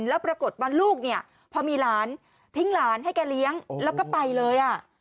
แล้วปรากฏว่าลูกเนี่ยพอมีหลานทิ้งหลานให้แกเลี้ยงแล้วก็ไปเลย